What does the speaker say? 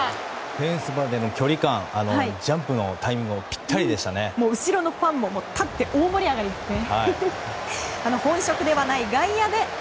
フェンスまでの距離感ジャンプのタイミングも後ろのファンも立って大盛り上がりですね。